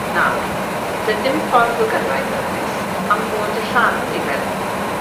Nawr, doedd dim ffordd o gyrraedd yr ynys, am fod y llanw i fewn.